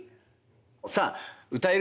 さあ「歌える！